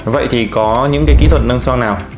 vậy thì có những cái kỹ thuật nâng sao nào